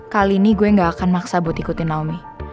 kali ini gue gak akan maksa buat ikutin naomi